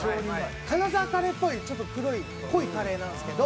「金沢カレーっぽいちょっと黒い濃いカレーなんですけど」